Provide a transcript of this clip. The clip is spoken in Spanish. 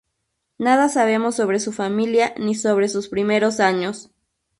Nada sabemos sobre su familia ni sobre sus primeros años.